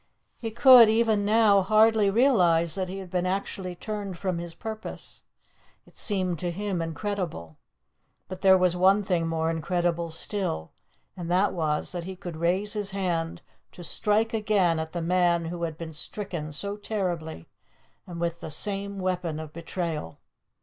He could, even now, hardly realize that he had been actually turned from his purpose. It seemed to him incredible. But there was one thing more incredible still, and that was that he could raise his hand to strike again at the man who had been stricken so terribly, and with the same weapon of betrayal.